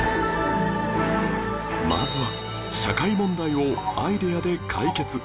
まずは社会問題をアイデアで解決